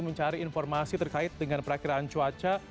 mencari informasi terkait dengan perakhiran cuaca